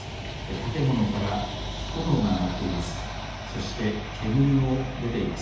建物から炎が上がっています。